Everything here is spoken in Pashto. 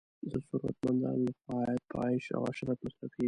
د ثروتمندو لخوا عاید په عیش او عشرت مصرف کیږي.